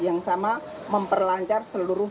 yang sama memperlancar seluruh